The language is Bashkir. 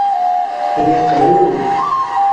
Һиңә ҡыйынмы ни?